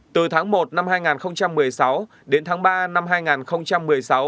từ tháng một năm hai nghìn một mươi sáu đến tháng ba năm hai nghìn một mươi một ủy viên đảng ủy công an trung ương